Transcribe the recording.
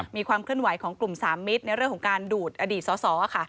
มีความเคลื่อนไหวของกลุ่มสามมิตรในเรื่องของการดูดอดีตสอสอค่ะ